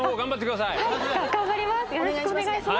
よろしくお願いします。